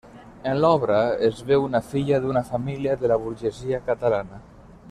En l'obra, es veu la filla d'una família de la burgesia catalana.